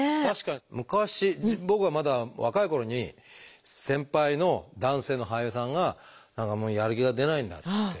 確か昔僕がまだ若いころに先輩の男性の俳優さんが「何かもうやる気が出ないんだ」っつって。